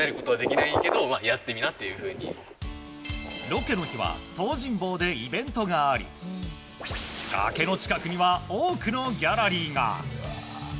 ロケの日は東尋坊でイベントがあり崖の近くには多くのギャラリーが。